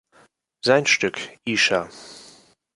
Sein Stück, Isha.